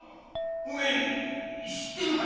おめえ知ってるか？」。